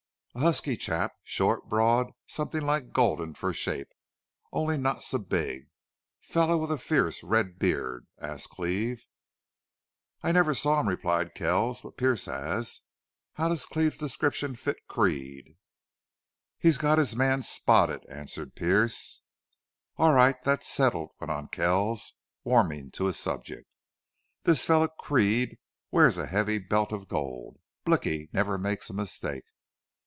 "A husky chap, short, broad, something like Gulden for shape, only not so big fellow with a fierce red beard?" asked Cleve. "I never saw him," replied Kells. "But Pearce has. How does Cleve's description fit Creede?" "He's got his man spotted," answered Pearce. "All right, that's settled," went on Kells, warming to his subject. "This fellow Creede wears a heavy belt of gold. Blicky never makes a mistake.